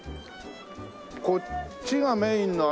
こっちがメインのあれか。